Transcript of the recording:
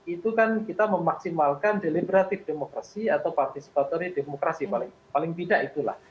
itu kan kita memaksimalkan deliberatif demokrasi atau partisipatory demokrasi paling tidak itulah